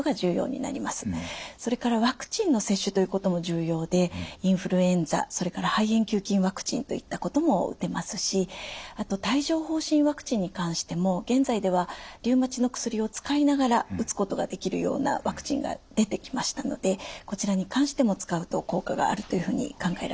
それからワクチンの接種ということも重要でインフルエンザそれから肺炎球菌ワクチンといったことも打てますしあと帯状疱疹ワクチンに関しても現在ではリウマチの薬を使いながら打つことができるようなワクチンが出てきましたのでこちらに関しても使うと効果があるというふうに考えられています。